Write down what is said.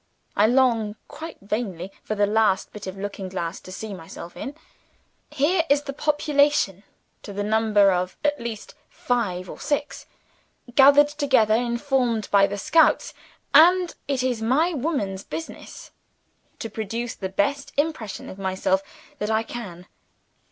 I long (quite vainly) for the least bit of looking glass to see myself in. Here is the population (to the number of at least five or six), gathered together, informed by the scouts and it is my woman's business to produce the best impression of myself that I can.